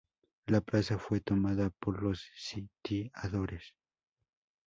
La plaza fue tomada por los sitiadores.